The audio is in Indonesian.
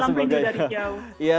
salam rindu dari jauh